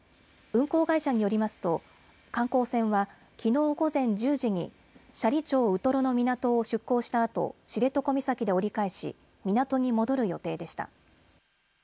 運航会社によりますと観光船はきのう午前１０時に斜里町ウトロの港を出港したあと知床岬で折り返し港に戻る予定でした。